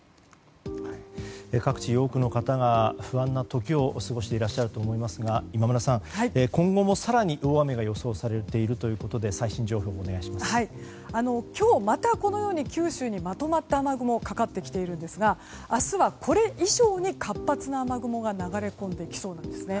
各地、多くの方が不安な時を過ごしていらっしゃると思いますが今村さん、今後も更に大雨が予想されているということで今日またこのように九州に、まとまった雨雲がかかってきているんですが明日はこれ以上に活発な雨雲が流れ込んできそうです。